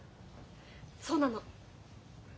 そうなの。